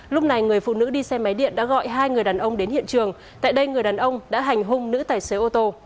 lúc này người phụ nữ đi xe máy điện đã gọi hai người đàn ông đến hiện trường tại đây người đàn ông đã hành hung nữ tài xế ô tô